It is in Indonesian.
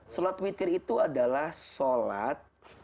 sholat witir itu adalah sholat